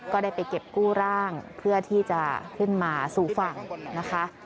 ก็ได้ไปเก็บกู้ร่างเพื่อที่จะขึ้นมาสู่ฝั่งนะคะ